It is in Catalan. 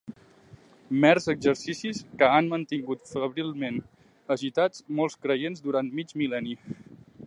Mers exercicis que han mantingut febrilment agitats molts creients durant mig mil·lenni.